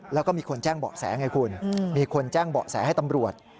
แล้วก็มีคนแจ้งเบาะแสไงคุณมีคนแจ้งเบาะแสให้ตำรวจ